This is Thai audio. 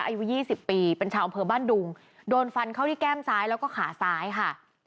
อายุ๒๐ปีเป็นชาวอำเภอบ้านดุงโดนฟันเข้าที่แก้มซ้ายแล้วก็ขาซ้ายค่ะ